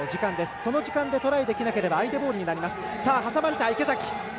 その時間内にトライできなければ相手ボールになります。